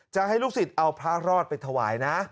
จะให้ลูกศิษย์เอาพระรอดไปถวายนะ